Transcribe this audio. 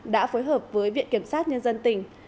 đã phối hợp với viện kiểm sát nhân dân tỉnh